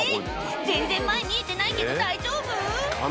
全然前見えてないけど大丈夫？